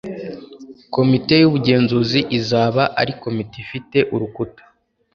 komite y ubugenzuzi izaba ari komite ifite urukuta